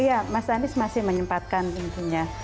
iya mas anies masih menyempatkan intinya